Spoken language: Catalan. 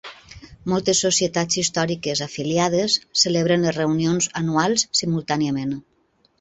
Moltes societats històriques afiliades celebren les reunions anuals simultàniament.